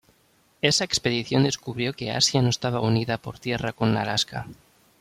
Esa expedición descubrió que Asia no estaba unida por tierra con Alaska.